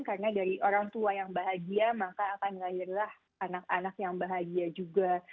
karena dari orang tua yang bahagia maka akan mengakhirlah anak anak yang bahagia juga